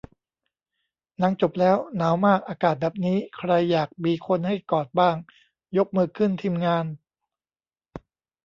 หนังจบแล้ว หนาวมาก อากาศแบบนี้ ใครอยากมีคนให้กอดบ้าง ยกมือขึ้น ทีมงาน